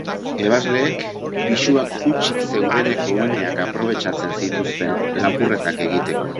Ebasleek pisuak hutsik zeudeneko uneak aprobetxatzen zituzten lapurretak egiteko.